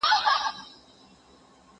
نېکي زوال نه لري.